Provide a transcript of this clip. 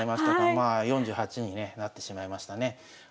まあ４８にねなってしまいましたね。